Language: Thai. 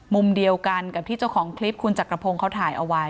มุมเดียวกันกับที่เจ้าของคลิปคุณจักรพงศ์เขาถ่ายเอาไว้